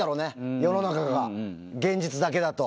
世の中が、現実だけだと。